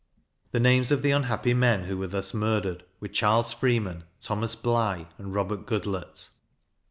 The names of the unhappy men who were thus murdered, were Charles Freeman, Thomas Bligh, and Robert Goodlet.